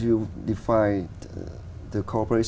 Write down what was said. quốc gia việt nam